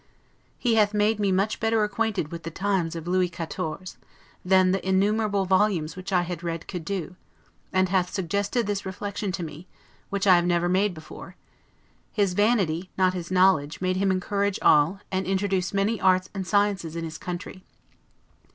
He hath made me much better acquainted with the times of Lewis XIV., than the innumerable volumes which I had read could do; and hath suggested this reflection to me, which I have never made before His vanity, not his knowledge, made him encourage all, and introduce many arts and sciences in his country.